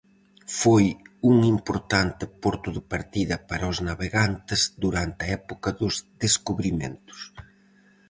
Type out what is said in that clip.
Foi un importante porto de partida para os navegantes durante a época dos descubrimentos.